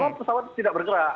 karena pesawat tidak bergerak